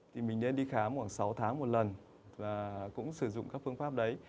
thì mình nên đi khám khoảng sáu tháng một lần và cũng sử dụng các phương pháp đấy